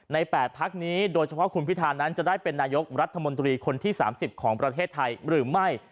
๘พักนี้โดยเฉพาะคุณพิธานั้นจะได้เป็นนายกรัฐมนตรีคนที่๓๐ของประเทศไทยหรือไม่